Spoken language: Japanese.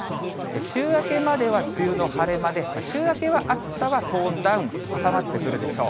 週明けまでは梅雨の晴れ間で、週明けは暑さはトーンダウン、収まってくるでしょう。